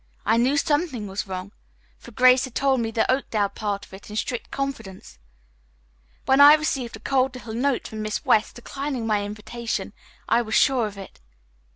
I knew something was wrong, for Grace had told me the Oakdale part of it in strict confidence. When I received a cold little note from Miss West declining my invitation, I was sure of it.